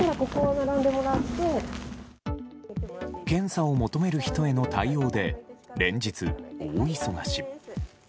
検査を求める人への対応で連日、大忙し。